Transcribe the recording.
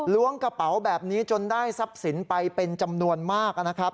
ล้วงกระเป๋าแบบนี้จนได้ทรัพย์สินไปเป็นจำนวนมากนะครับ